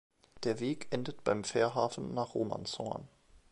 Der Weg endet beim Fährhafen nach Romanshorn.